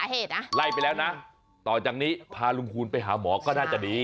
เหตุนะไล่ไปแล้วนะต่อจากนี้พาลุงคูณไปหาหมอก็น่าจะดี